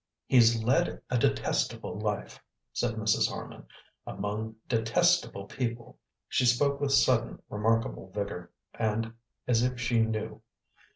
"He's led a detestable life," said Mrs. Harman, "among detestable people!" She spoke with sudden, remarkable vigour, and as if she knew.